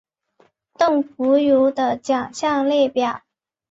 邓福如的奖项列表